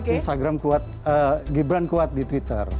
instagram kuat gibran kuat di twitter